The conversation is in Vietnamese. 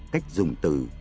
cách dùng từ